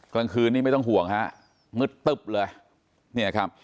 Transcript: กลางคืนนี้ไม่ต้องห่วงมืดตึบเลย